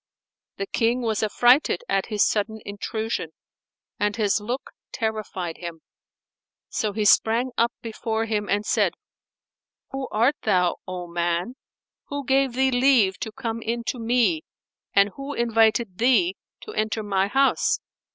The King was affrighted at his sudden intrusion and his look terrified him; so he sprang up before him and said, "Who art thou, O man? Who gave thee leave to come in to me and who invited thee to enter my house?"